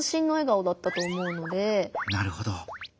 なるほど。